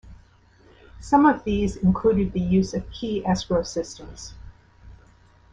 Some of these included the use of key escrow systems.